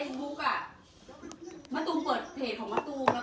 อ่ะมะตูมเปิดเพจของมะตูมแล้วก็ไปถามเน้นั่นแหละ